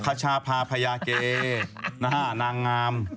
ขชาพาพยาเก่ะอ้านางงาม